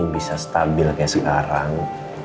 bisa stabil seperti sekarang